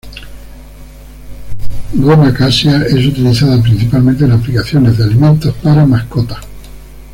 Goma cassia es utilizada principalmente en aplicaciones de alimentos para mascotas.